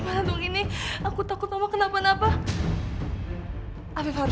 harusnya kamu tuh berdoa tau